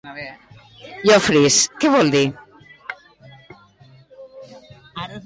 Llofris què vol dir?